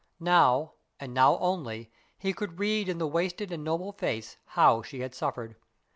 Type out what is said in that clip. Now, and now only, he could read in the wasted and noble face how she had suffered.